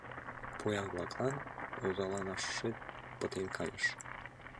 Поян-влаклан озаланашет пытен кайыш.